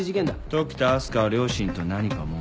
時田明日香は両親と何かもめていた。